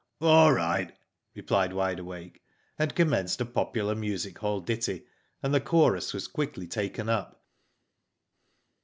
" All right " replied Wide Awake, and com menced a popular music hall ditty, and the chorus was quickly taken up.